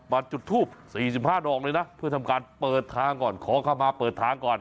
จุดทูป๔๕ดอกเลยนะเพื่อทำการเปิดทางก่อนขอเข้ามาเปิดทางก่อน